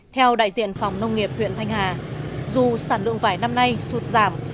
theo đại diện phòng nông nghiệp huyện thanh hà dù sản lượng vải năm nay sụt giảm